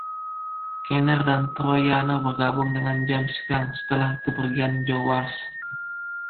Kenner dan Troiano bergabung dengan James Gang, setelah kepergian Joe Walsh.